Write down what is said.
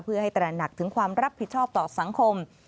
เพื่อให้ตระหนักถึงความรับผิดชอบต่อสังคม